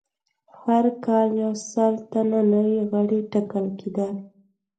هر کال یو سل تنه نوي غړي ټاکل کېدل